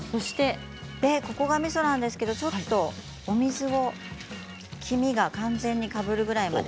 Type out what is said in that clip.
ここが、みそなんですがちょっとお水を黄身が完全にかぶるくらいまで。